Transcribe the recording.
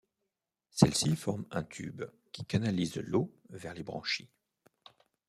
Celles-ci forment un tube qui canalise l'eau vers les branchies.